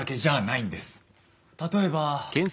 例えば。